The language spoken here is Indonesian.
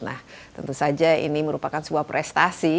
nah tentu saja ini merupakan sebuah prestasi